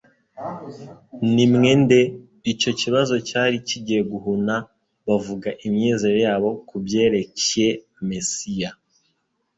Ni'mwene nde?" Icy'o kibazo cyari kigiye Guhuna bavuga imyizerere yabo ku byerekcye Mesiya ;